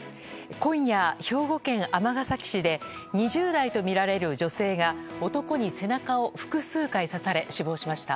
今夜、兵庫県尼崎市で２０代とみられる女性が男に背中を複数回刺され死亡しました。